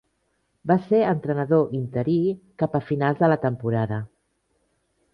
Va ser entrenador interí cap a finals de la temporada.